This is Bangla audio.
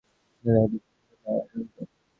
দ্বারের কাছে কিছুক্ষণ সে দাঁড়াইয়া রহিল।